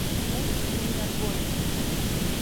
Ус иунарбоит.